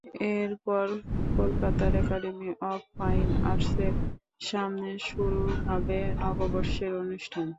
এরপর কলকাতার academy of fine আর্টসের সামনে শুরু হবে নববর্ষের অনুষ্ঠান।